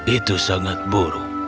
itu sangat buruk